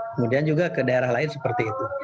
kemudian juga ke daerah lain seperti itu